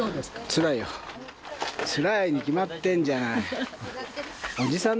つらいに決まってんじゃん。